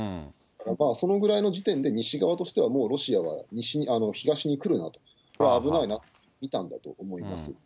だからそのぐらいの時点で西側としては、もうロシアは東に来るなと、これは危ないなと見たんだと思います。